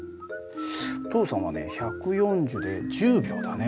お父さんはね１４０で１０秒だね。